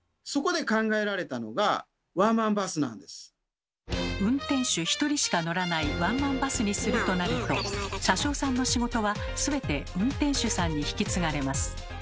そこで考えられたのが運転手１人しか乗らないワンマンバスにするとなると車掌さんの仕事は全て運転手さんに引き継がれます。